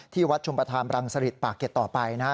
ที่วัดชมภาษารังศฤษฐ์ปากเก็ตต่อไปนะ